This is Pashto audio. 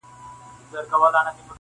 • له رباب څخه به هېر نوم د اجل وي -